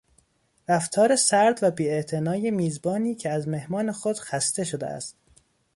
رفتار سرد و بی اعتنای میزبانی که از مهمان خود خسته شده است